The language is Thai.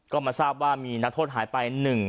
ก็มาทราบว่ามีนักโทษหายไป